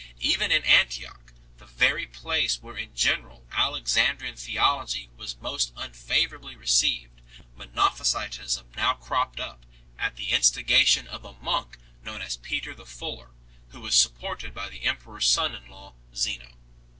Even in Antioch, the very place where in general Alexandrian theology was most unfavourably received, Monophysitism now cropped up at the instigation of a monk known as Peter the Fuller, who was supported by the emperor s son in law Zeno.